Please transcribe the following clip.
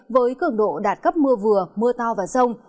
với cường độ đạt cấp mưa vừa mưa to và rông